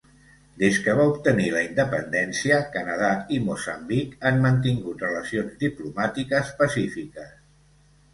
Des que va obtenir la independència, Canadà i Moçambic han mantingut relacions diplomàtiques pacífiques.